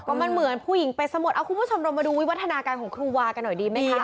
มันเหมือนผู้หญิงไปสมุดเอาคุณผู้ชมเรามาดูวิวัฒนาการของครูวากันหน่อยดีไหมคะ